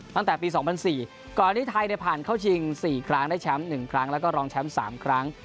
ตั้งแต่ปี๒๐๐๔ก่อนที่ไทยผ่านเข้าชิง๔ครั้งได้แชมป์๑ครั้งแล้วก็รองแชมป์๓ครั้ง